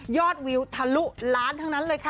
วิวทะลุล้านทั้งนั้นเลยค่ะ